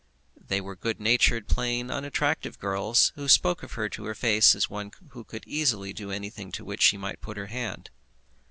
They were good natured, plain, unattractive girls, who spoke of her to her face as one who could easily do anything to which she might put her hand.